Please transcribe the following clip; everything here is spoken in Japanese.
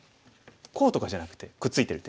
こうとかじゃなくてくっついてる手。